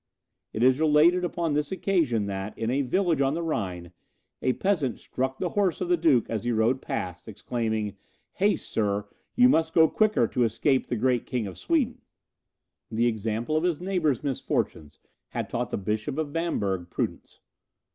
It is related upon this occasion that, in a village on the Rhine a peasant struck the horse of the duke as he rode past, exclaiming, "Haste, Sir, you must go quicker to escape the great King of Sweden!" The example of his neighbours' misfortunes had taught the Bishop of Bamberg prudence.